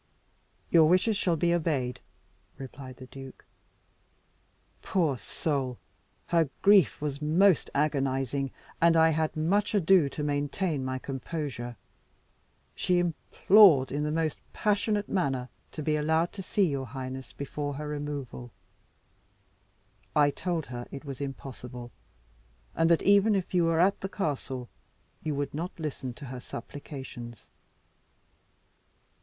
"Your wishes shall be obeyed," replied the duke. "Poor soul! her grief was most agonizing, and I had much ado to maintain my composure. She implored, in the most passionate manner, to be allowed to see your highness before her removal. I told her it was impossible; and that even if you were at the castle, you would not listen to her supplications."